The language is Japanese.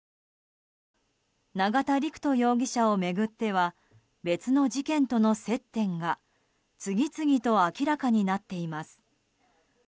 永田陸人容疑者を巡っては別の事件との接点が次々と明らかになっています。